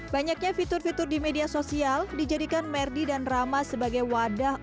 banyaknya fitur fitur di media sosial dijadikan merdi dan rama sebagai wadah